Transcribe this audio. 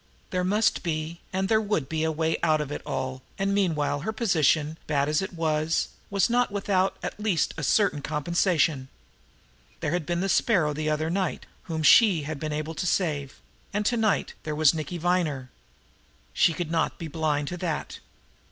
There must be, and there would be, a way out of it all, and meanwhile her position, bad as it was, was not without, at least, a certain compensation. There had been the Sparrow the other night whom she had been able to save, and to night there was Nicky Viner. She could not be blind to that.